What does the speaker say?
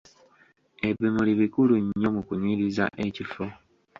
Ebimuli bikulu nnyo mu kunyiriza ekifo.